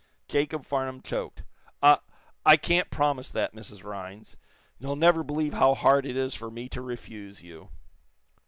Jacob Farnum choked. "I I can't promise that, Mrs. Rhinds. You'll never believe how hard it is for me to refuse you."